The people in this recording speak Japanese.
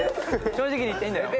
正直に言っていいんだよ！